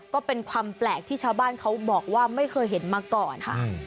ก็เป็นความแปลกที่ชาวบ้านเขาบอกว่าไม่เคยเห็นมาก่อนค่ะ